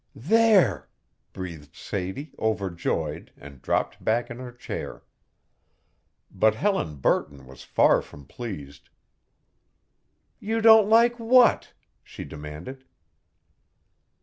"There!" breathed Sadie, overjoyed, and dropped back in her chair. But Helen Burton was far from pleased. "You don't like what?" she demanded.